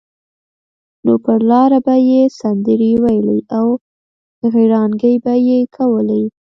نو پر لاره به یې سندرې ویلې او غړانګې به یې کولې.